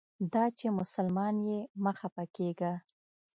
دا چې مسلمان یې مه خپه کیږه.